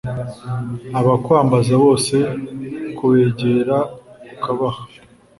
abakwambaza bose kubegera ukabaha